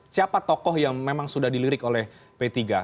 siapa tokoh yang memang sudah dilirik oleh p tiga